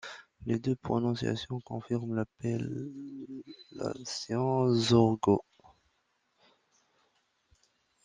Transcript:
Les deux prononciations confirment l’appellation Zorgho.